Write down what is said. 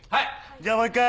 じゃあもう１回！